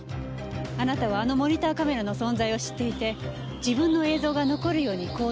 あなたはあのモニターカメラの存在を知っていて自分の映像が残るように行動したのね？